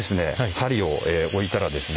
針を置いたらですね